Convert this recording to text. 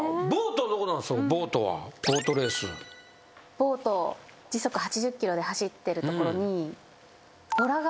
ボート時速８０キロで走ってるところにボラが。